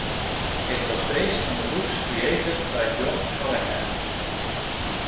It was based on the books created by John Callahan.